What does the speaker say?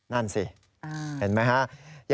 ฟังเสียงอาสามูลละนิทีสยามร่วมใจ